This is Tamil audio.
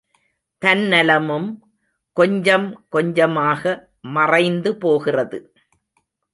தன்னலமும் கொஞ்சம் கொஞ்சமாக மறைந்து போகிறது.